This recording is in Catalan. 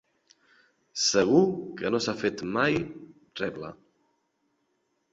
Segur que no s'ha fet mai —rebla.